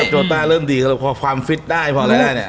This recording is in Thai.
โบดาเริ่มดีความฟิตได้พอแล้ว